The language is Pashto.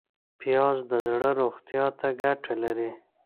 پیاز د زړه روغتیا ته ګټه لري